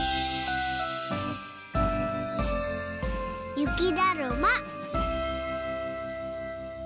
ゆきだるま。